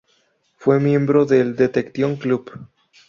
Fue miembro del Detection Club.